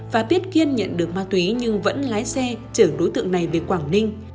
và biết kiên nhận được ma túy nhưng vẫn lái xe chở đối tượng này về quảng ninh